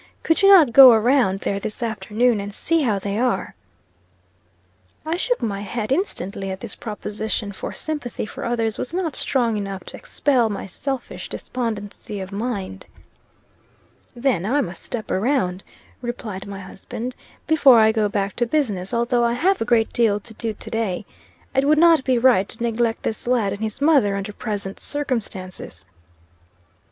Could you not go around there this afternoon, and see how they are?" I shook my head instantly at this proposition, for sympathy for others was not strong enough to expel my selfish despondency of mind. "Then I must step around," replied my husband, "before I go back to business, although I have a great deal to do to day. It would not be right to neglect this lad and his mother under present circumstances."